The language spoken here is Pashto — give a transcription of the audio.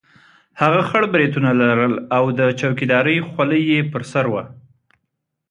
هغه خړ برېتونه لرل او د چوکیدارۍ خولۍ یې پر سر وه.